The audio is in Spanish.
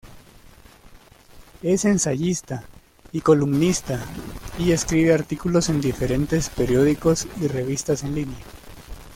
Es ensayista y columnista y escribe artículos en diferentes periódicos y revistas en línea.